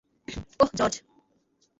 ওহ, George.